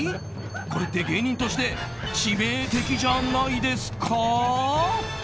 これって芸人として致命的じゃないですか？